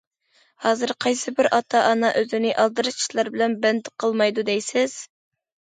ھازىر قايسى بىر ئاتا- ئانا ئۆزىنى ئالدىراش ئىشلار بىلەن بەند قىلمايدۇ، دەيسىز.